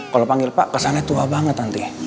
kalo panggil pak kesannya tua banget nanti